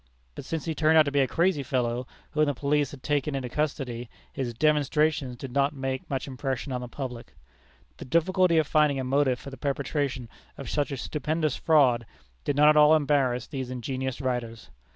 But since he turned out to be a crazy fellow, whom the police had to take into custody, his "demonstrations" did not make much impression on the public. The difficulty of finding a motive for the perpetration of such a stupendous fraud, did not at all embarrass these ingenious writers.